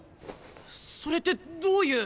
それってどういう。